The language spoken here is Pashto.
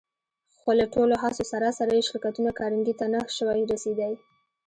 خو له ټولو هڅو سره سره يې شرکتونه کارنګي ته نه شوای رسېدای.